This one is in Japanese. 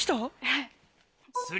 はい。